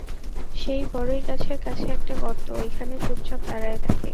সেই বড়ই গাছের কাছে একটা গর্ত, ঐখানে চুপচাপ দাঁড়ায়ে থাকে।